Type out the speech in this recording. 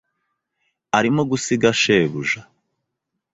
Arimo gusiga shebuja.